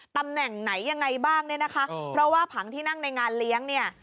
ตำแหน่งไหนยังไงบ้างเนี่ยนะคะเพราะว่าผังที่นั่งในงานเลี้ยงเนี่ย